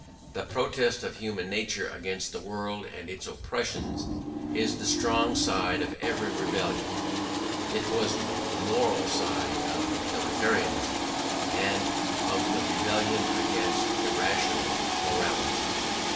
The protest of human nature against the world and its oppressions is the strong side of every rebellion; it was the moral side of utilitarianism, of the rebellion against irrational morality.